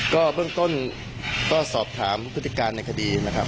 ก็เบื้องต้นก็สอบถามพฤติการในคดีนะครับ